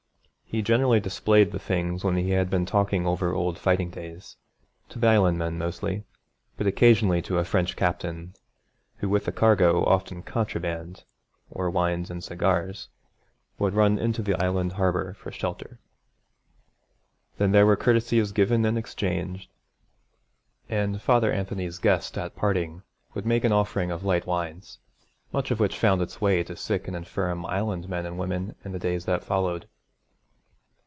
He generally displayed the things when he had been talking over old fighting days, to the Island men mostly, but occasionally to a French captain, who with a cargo, often contraband, or wines and cigars, would run into the Island harbour for shelter. Then there were courtesies given and exchanged; and Father Anthony's guest at parting would make an offering of light wines, much of which found its way to sick and infirm Island men and women in the days that followed.